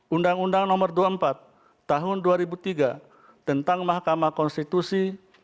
undang undang nomor dua puluh empat tahun dua ribu tiga tentang mahkamah konstitusi